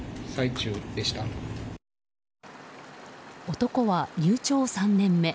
男は入庁３年目。